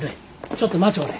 ちょっと待ちょおれ。